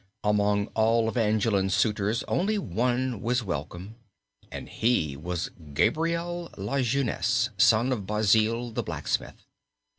Among all Evangeline's suitors only one was welcome, and he was Gabriel Lajeunesse, son of Basil the blacksmith.